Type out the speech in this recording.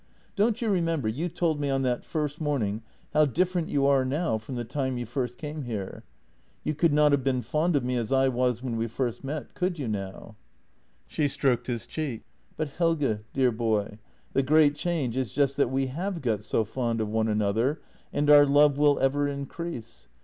Don't you remember, you told me on that first morning how different you are now from the time you first came here? You could not have been fond of me as I was when we first met — could you, now? " She stroked his cheek :" But, Helge, dear boy, the great change is just that we have got so fond of one another, and our love will ever increase.